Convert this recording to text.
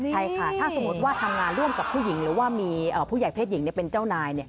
ใช่ค่ะถ้าสมมุติว่าทำงานร่วมกับผู้หญิงหรือว่ามีผู้ใหญ่เพศหญิงเป็นเจ้านาย